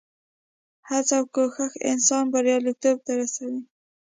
هڅه او کوښښ انسان بریالیتوب ته رسوي.